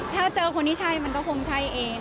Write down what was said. ถ้าเจอคนที่ใช่มันก็คงใช่เอง